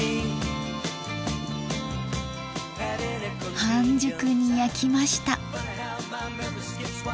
半熟に焼きました。